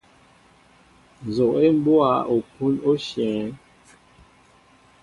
Nzoʼ e mɓɔa opun oshyɛέŋ.